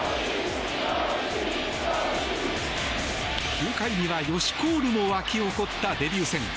９回にはヨシ・コールも沸き起こったデビュー戦。